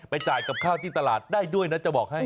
จ่ายกับข้าวที่ตลาดได้ด้วยนะจะบอกให้